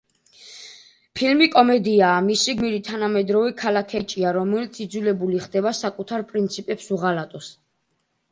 ფილმი კომედიაა, მისი გმირი თანამედროვე ქალაქელი ბიჭია, რომელიც იძულებული ხდება საკუთარ პრინციპებს უღალატოს.